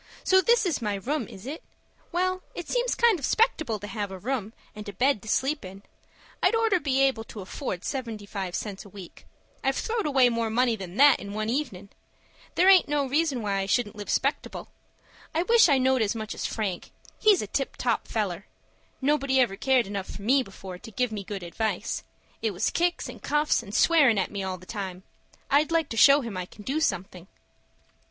"So this is my room, is it? Well, it seems kind of 'spectable to have a room and a bed to sleep in. I'd orter be able to afford seventy five cents a week. I've throwed away more money than that in one evenin'. There aint no reason why I shouldn't live 'spectable. I wish I knowed as much as Frank. He's a tip top feller. Nobody ever cared enough for me before to give me good advice. It was kicks, and cuffs, and swearin' at me all the time. I'd like to show him I can do something."